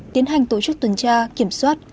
tiến hành tổ chức tuần tra kiểm soát